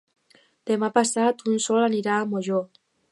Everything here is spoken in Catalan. Demà passat en Sol anirà a Molló.